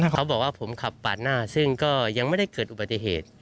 เขาบอกว่าผมขับปาดหน้าซึ่งก็ยังไม่ได้เกิดอุบัติเหตุ